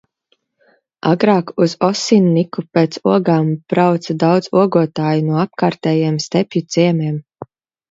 Agrāk uz Osinniku pēc ogām brauca daudz ogotāju no apkārtējiem stepju ciemiem.